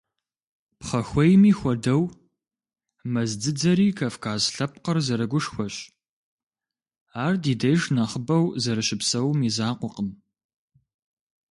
Пхъэхуейми хуэдэу, мэз дзыдзэри Кавказ лъэпкъыр зэрыгушхуэщ, ар ди деж нэхъыбэу зэрыщыпсэум и закъуэкъым.